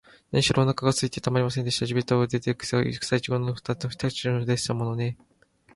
なにしろ、おなかがすいてたまりませんでした。地びたに出ていた、くさいちごの実を、ほんのふたつ三つ口にしただけでしたものね。